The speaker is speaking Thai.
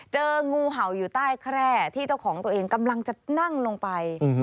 เจองูเห่าอยู่ใต้แคร่ที่เจ้าของตัวเองกำลังจะนั่งลงไป